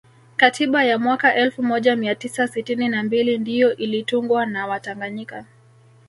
Katiba ya mwaka elfu moja mia tisa sitini na mbili ndiyo ilitungwa na watanganyika